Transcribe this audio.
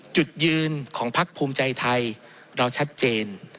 จุดยืนของพักภูมิใจไทยเราชัดเจน